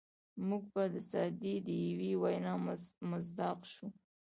موږ به د سعدي د یوې وینا مصداق شو.